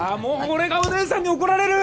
俺がお姉さんに怒られるー！